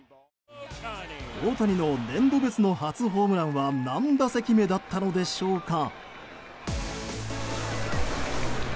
大谷の年度別の初ホームランは何打席目だったのでしょうか。